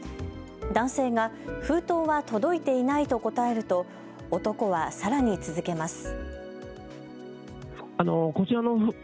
男性が封筒は届いていないと答えると男はさらに続けます。